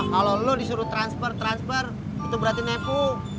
kalau lo disuruh transfer transfer itu berarti nepo